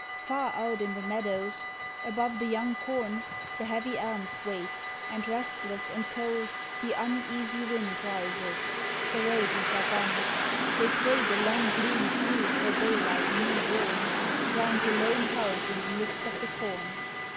Far out in the meadows, above the young corn, The heavy elms wait, and restless and cold The uneasy wind rises; the roses are dun; They pray the long gloom through for daylight new born, Round the lone house in the midst of the corn.